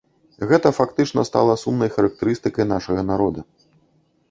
Гэта фактычна стала сумнай характарыстыкай нашага народа.